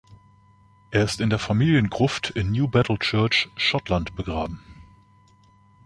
Er ist in der Familiengruft in Newbattle Church, Schottland, begraben.